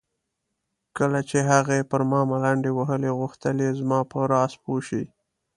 کله چې هغې پر ما ملنډې وهلې غوښتل یې زما په راز پوه شي.